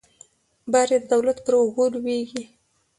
بار یې د دولت پر اوږو لویږي.